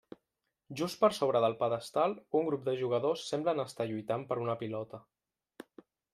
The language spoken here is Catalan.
Just per sobre del pedestal, un grup de jugadors semblen estar lluitant per una pilota.